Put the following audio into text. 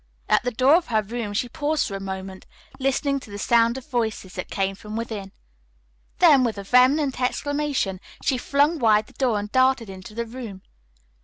At the door of her room she paused for a moment, listening to the sound of voices that came from within. Then, with a vehement exclamation, she flung wide the door and darted into the room.